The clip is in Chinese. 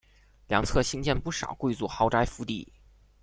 两侧兴建不少贵族豪宅府邸。